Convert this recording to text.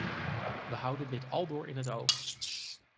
We houden dit aldoor in het oog.